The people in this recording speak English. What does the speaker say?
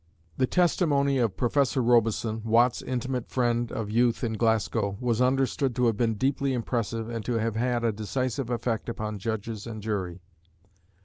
The testimony of Professor Robison, Watt's intimate friend of youth in Glasgow, was understood to have been deeply impressive, and to have had a decisive effect upon judges and jury.